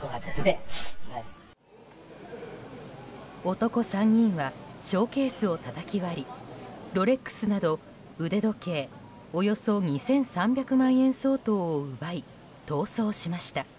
男３人はショーケースをたたき割りロレックスなど腕時計およそ２３００万円相当を奪い逃走しました。